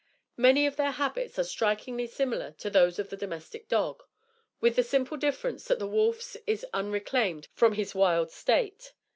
Many of their habits are strikingly similar to those of the domestic dog, with the simple difference that the wolf is unreclaimed from his wild state.